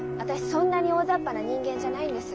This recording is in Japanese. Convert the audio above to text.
そんなに大ざっぱな人間じゃないんです。